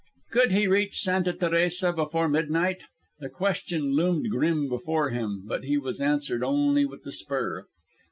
Could he reach Santa Teresa before midnight? The question loomed grim before him, but he answered only with the spur.